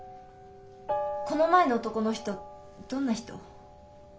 この前の男の人どんな人？